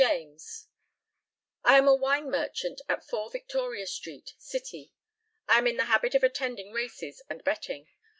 JAMES: I am a wine merchant at 4 Victoria street, City. I am in the habit of attending races and betting.